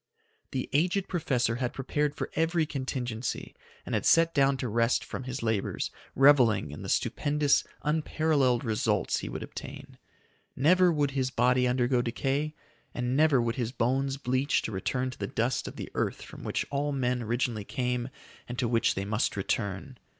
The aged professor had prepared for every contingency, and had set down to rest from his labors, reveling in the stupendous, unparalleled results he would obtain. Never would his body undergo decay; and never would his bones bleach to return to the dust of the earth from which all men originally came and to which they must return.